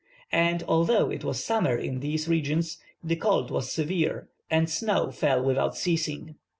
and, although it was summer in these regions, the cold was severe, and snow fell without ceasing.